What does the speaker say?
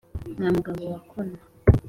Nta mugabo wakonwe